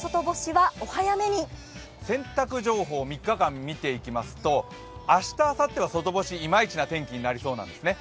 洗濯情報を３日間見ていきますと、明日あさっては外干しいまいちな天気になりそうなんですね。